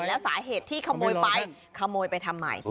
แล้วสาเหตุที่ขโมยไปขโมยไปทำไม